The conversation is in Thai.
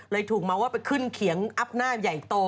ถูกมาว่าไปขึ้นเขียงอัพหน้าใหญ่โต